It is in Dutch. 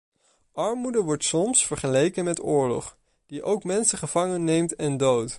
Armoede wordt soms vergeleken met oorlog, die ook mensen gevangen neemt en doodt.